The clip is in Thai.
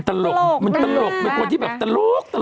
ตลกมันคนที่ตลก